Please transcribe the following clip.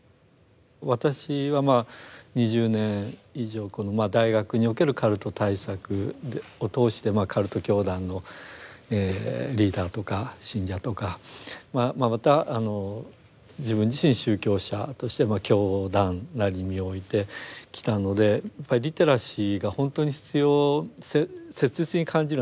私は２０年以上大学におけるカルト対策を通してカルト教団のリーダーとか信者とかまた自分自身宗教者として教団内に身を置いてきたのでやっぱりリテラシーが本当に必要切実に感じるのは内的な方なんですね。